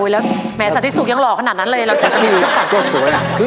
แล้วแม่สาธิจสุกยังหล่อขนาดนั้นเลย